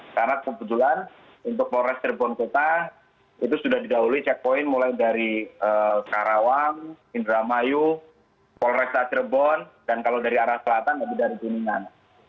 karena kebetulan untuk polres cirebon kota itu sudah didahului checkpoint mulai dari karawang indramayu polres cirebon dan kalau dari arah selatan lebih dari gunungan